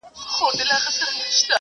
ته یوازی تنها نه یې ..